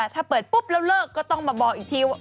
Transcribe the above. ถ้าเปิดปุ๊บแล้วเลิกก็ต้องมาบอกอีกทีว่า